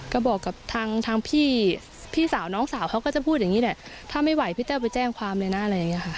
ก็บอกกับทางพี่สาวน้องสาวเขาก็จะพูดอย่างนี้แหละถ้าไม่ไหวพี่แต้วไปแจ้งความเลยนะอะไรอย่างนี้ค่ะ